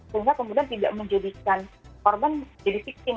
sehingga kemudian tidak menjadikan korban jadi lima belas